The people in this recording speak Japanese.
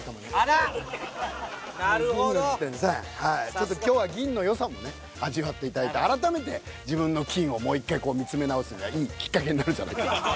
ちょっと今日は銀のよさもね味わっていただいて改めて自分の金をもう１回見つめ直すにはいいきっかけになるんじゃないかな。